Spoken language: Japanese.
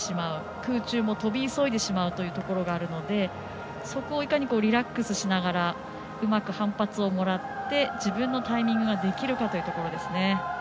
空中も跳び急いでしまうというところがあるのでそこをいかにリラックスしながらうまく反発をもらって自分のタイミングができるかというところですね。